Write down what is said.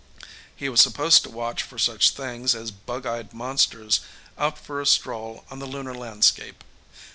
He was supposed to watch for such things as bug eyed monsters out for a stroll on the Lunar landscape.